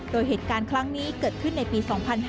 โดยเหตุการณ์ครั้งนี้เกิดขึ้นในปี๒๕๕๙